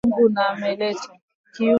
Kyungu kina lungula ju amuna tena mayi